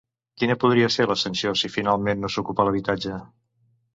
Quina podria ser la sanció si finalment no s'ocupa l'habitatge?